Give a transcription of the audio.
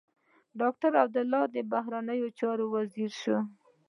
ډاکټر عبدالله د بهرنيو چارو وزیر شو.